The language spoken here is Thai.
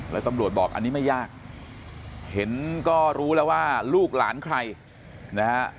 แล้วตำรวจบอกอันนี้ไม่ยากเห็นก็รู้แล้วว่าลูกหลานใครนะฮะ